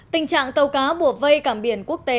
tình trạng tàu cá bùa vây cảm biển quốc tế